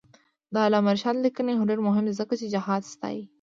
د علامه رشاد لیکنی هنر مهم دی ځکه چې جهاد ستايي.